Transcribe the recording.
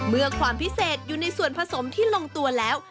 ความพิเศษอยู่ในส่วนผสมที่ลงตัวแล้ว